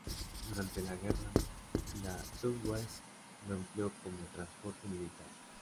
Durante la guerra, la Luftwaffe lo empleó como transporte militar.